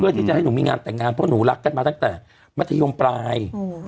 ที่จะให้หนูมีงานแต่งงานเพราะหนูรักกันมาตั้งแต่มัธยมปลาย